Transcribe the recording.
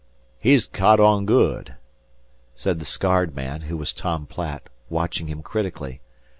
"He's caught on good," said the scarred man, who was Tom Platt, watching him critically.